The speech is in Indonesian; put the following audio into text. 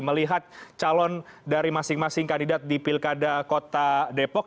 melihat calon dari masing masing kandidat di pilkada kota depok